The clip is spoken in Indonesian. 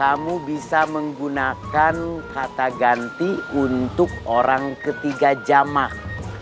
kamu bisa menggunakan kata ganti untuk orang ketiga jamah